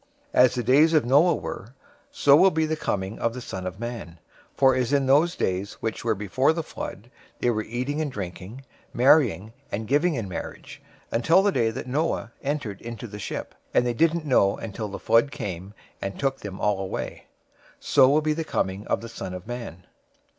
024:037 "As the days of Noah were, so will be the coming of the Son of Man. 024:038 For as in those days which were before the flood they were eating and drinking, marrying and giving in marriage, until the day that Noah entered into the ark, 024:039 and they didn't know until the flood came, and took them all away, so will be the coming of the Son of Man.